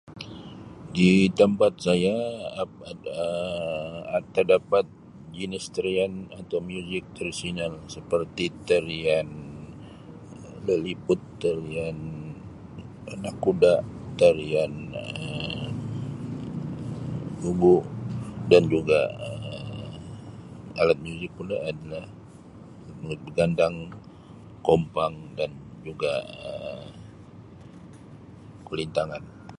Di tempat saya ap-[Um] terdapat jenis tarian atau muzik tradisional seperti tarian laliput, tarian anak kuda, tarian Um [unintelligible] dan juga Um alat muzik pula adalah alat begandang, kompang dan juga Um kulintangan.